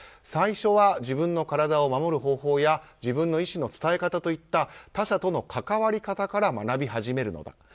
最初は自分の身体を守る方法や自分の意思の伝わり方といった他者との関わり方から学び始めるのだ。